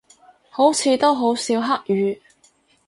好似都好少黑雨